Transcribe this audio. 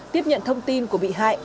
tiếp nhận thông tin của bị hại